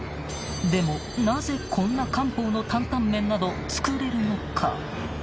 ［でもなぜこんな漢方のタンタン麺など作れるのか］